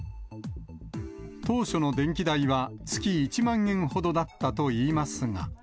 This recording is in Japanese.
当初の電気代は月１万円ほどだったといいますが。